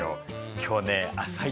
今日ね朝市